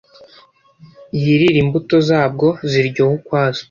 yirire imbuto zabwo ziryoha ukwazo.